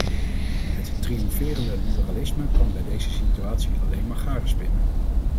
Het triomferende liberalisme kan bij deze situatie alleen maar garen spinnen.